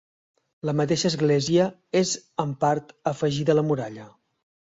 La mateixa església és en part afegida a la muralla.